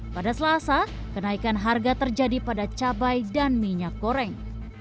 pada selasa kenaikan harga terjadi pada cabai dan minyak goreng